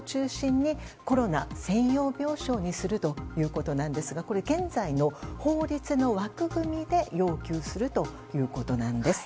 コロナ専用病床にするということですがこれ、現在の法律の枠組みで要求するということなんです。